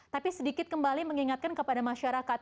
tapi sedikit kembali mengingatkan kepada masyarakat